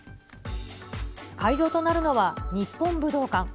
会場となるのは、日本武道館。